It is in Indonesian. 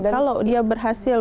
kalau dia berhasil